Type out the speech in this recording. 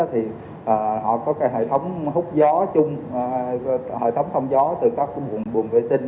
thì họ có hệ thống hút gió chung hệ thống thông gió từ các vùng vệ sinh